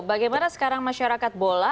bagaimana sekarang masyarakat bola